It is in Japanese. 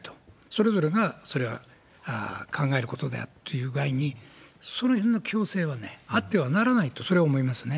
それぞれが、それは考えることがあるって具合に、そのへんの強制はあってはならないと、それは思いますね。